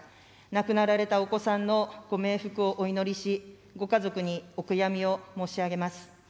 亡くなられたお子さんのご冥福をお祈りし、ご家族にお悔やみを申し上げます。